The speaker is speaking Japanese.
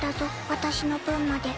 私の分まで。